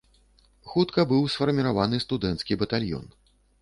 Хутка быў сфармаваны студэнцкі батальён.